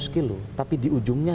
enam ratus kilo tapi di ujungnya